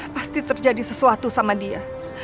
pasti terjadi sesuatu sama dia